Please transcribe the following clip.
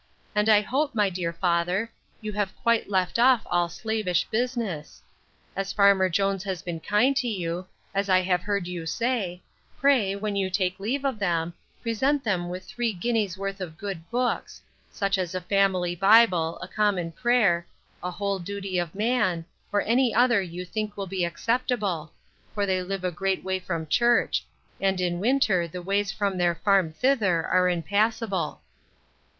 And I hope, my dear father, you have quite left off all slavish business. As farmer Jones has been kind to you, as I have heard you say, pray, when you take leave of them, present them with three guineas worth of good books; such as a family bible, a common prayer, a whole duty of man, or any other you think will be acceptable; for they live a great way from church; and in winter the ways from their farm thither are impassable.